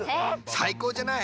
さいこうじゃない。